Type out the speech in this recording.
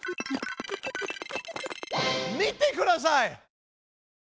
見てください！